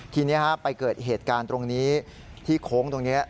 ทีนี้ไปเกิดเหตุการณ์ตรงนี้ที่โค้งตรงนี้